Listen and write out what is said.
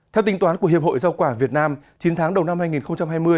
theo tính toán của hiệp hội rau quả việt nam chín tháng đầu năm hai nghìn hai mươi